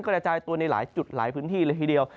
กระจายตัวในหลายจุดหลายพื้นที่เลยทีเดียว